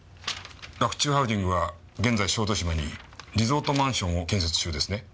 洛中ハウジングは現在小豆島にリゾートマンションを建設中ですね？